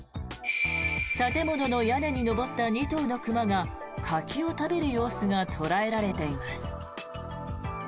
建物の屋根に上った２頭の熊が柿を食べる様子が捉えられています。